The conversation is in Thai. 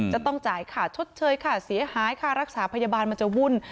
จะต้องจ่ายค่าชดเชยค่าเสียหายค่ารักษาพยาบาลมันจะวุ่น